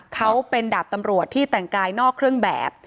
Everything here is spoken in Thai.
เขาเป็นดาบตำรวจที่แต่งกายนอกเครื่องแบบ